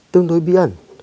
tương đối bí ẩn